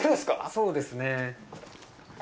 そうですね。